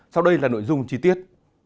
sau đây là nội dung chi tiết